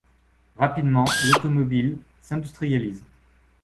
Rapidement, l'automobile s'industrialise.